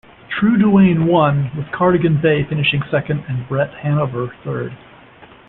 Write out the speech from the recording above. True Duane won with Cardigan Bay finishing second and Bret Hanover third.